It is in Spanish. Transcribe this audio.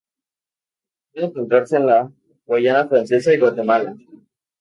Puede encontrarse en la Guayana Francesa y Guatemala.